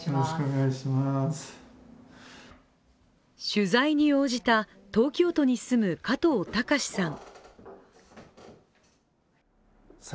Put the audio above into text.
取材に応じた、東京都に住む加藤孝さん。